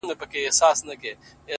په هغې باندي چا کوډي کړي _